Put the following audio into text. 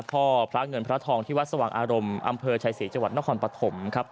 พ่อพระเงินพระทองที่วัดสว่างอารมณ์อำเภอชายศรีจังหวัดนครปฐมครับ